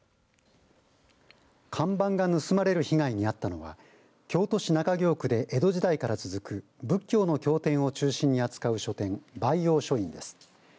看板が盗まれる被害に遭ったのは京都市中京区で江戸時代から続く仏教の経典を中心に扱う書店貝葉書院です。